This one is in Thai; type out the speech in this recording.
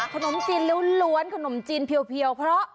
ขนมจีนล้วนขนมจีนเพียวเพราะ